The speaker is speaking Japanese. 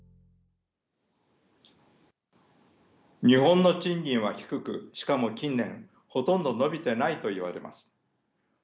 日本の賃金は低くしかも近年ほとんど伸びてないといわれます。